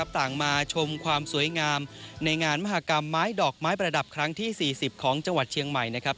มาชมความสวยงามในงานมหากรรมไม้ดอกไม้ประดับครั้งที่๔๐ของจังหวัดเชียงใหม่นะครับ